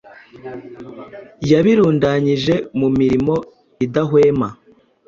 Yabirundanyije mu mirimo idahwema,